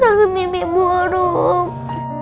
aku lihat mama masuk ke dalam jurang